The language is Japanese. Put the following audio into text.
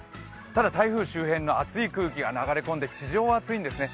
ただ、台風周辺の暑い空気が流れ込んで地上が暑いんですね。